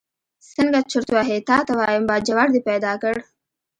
څنګه چرت وهې تا ته وایم، باجوړ دې پیدا کړ.